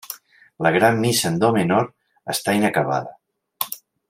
La Gran Missa en do menor està inacabada.